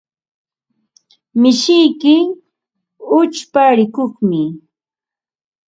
Mishiyki uchpa rikuqmi.